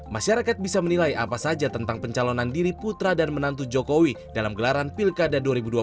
masyarakat bisa menilai apa saja tentang pencalonan diri putra dan menantu jokowi dalam gelaran pilkada dua ribu dua puluh